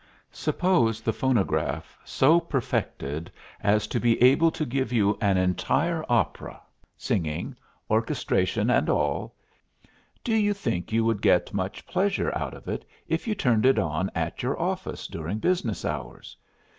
Suppose the phonograph so perfected as to be able to give you an entire opera, singing, orchestration, and all; do you think you would get much pleasure out of it if you turned it on at your office during business hours?